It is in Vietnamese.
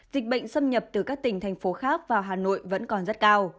dịch bệnh xâm nhập từ các tỉnh thành phố khác vào hà nội vẫn còn rất cao